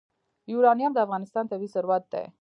یورانیم د افغانستان طبعي ثروت دی.